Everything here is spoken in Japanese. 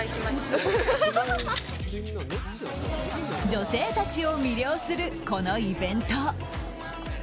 女性たちを魅了するこのイベント。